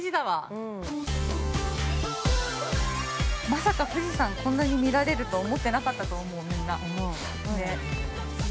◆まさか富士山こんなに見られると思ってなかったと思う、みんな。